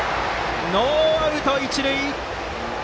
ノーアウト、一塁。